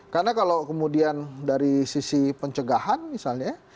karena kalau kemudian dari sisi pencegahan misalnya